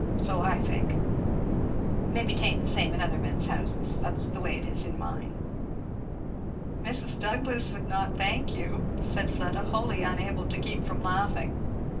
So I think. Maybe 'tain't the same in other men's houses. That's the way it is in mine." "Mrs. Douglass would not thank you," said Fleda, wholly unable to keep from laughing.